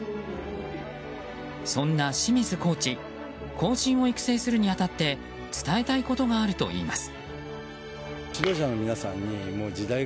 そんな清水コーチ後進を育成するに当たって伝えたいことがあるといいます。